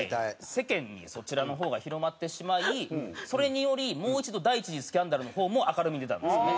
世間にそちらの方が広まってしまいそれによりもう一度第１次スキャンダルの方も明るみに出たんですよね。